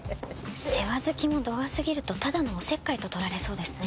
世話好きも度が過ぎるとただのお節介と取られそうですね。